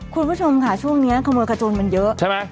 คุณผู้ชมค่ะช่วงนี้ขโมยขจนมันเยอะใช่ไหม